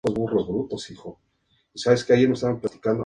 Aun así continuó dirigiendo la unidad aunque ya no podía realizar cirugías.